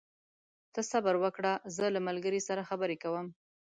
ته صبر وکړه، زه له ملګري سره خبرې کوم.